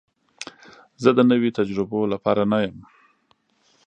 زه د نوي تجربو لپاره نه یم.